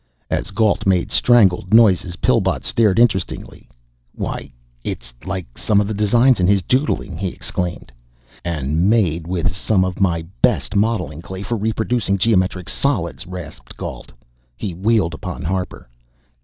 As Gault made strangled noises, Pillbot stared interestedly. "Why its like some of the designs in his doodling," he exclaimed. "And made with some of my best modeling clay for reproducing geometric solids!" rasped Gault. He wheeled upon Harper.